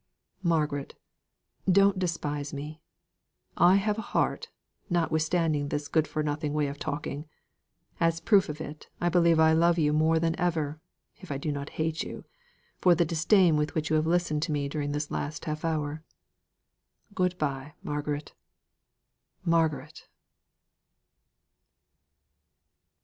"Margaret, don't despise me; I have a heart, notwithstanding all this good for nothing way of talking. As a proof of it, I believe I love you more than ever if I do not hate you for the disdain with which you have listened to me during this last half hour. Good bye, Margaret Margaret!"